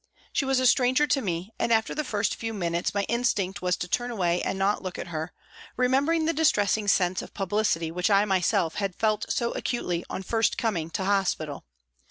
She was a stranger to me and after the first few minutes my instinct was to turn away and not look at her, remembering the distressing sense of publicity which I myself had felt so acutely on first coming to hospital.